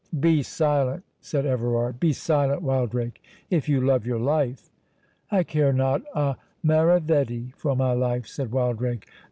"Be silent!" said Everard; "be silent, Wildrake, if you love your life!" "I care not a maravedi for my life," said Wildrake.